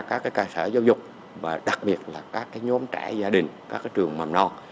các cái ca sở giáo dục và đặc biệt là các cái nhóm trẻ gia đình các cái trường mầm non